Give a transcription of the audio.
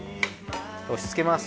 押し付けます。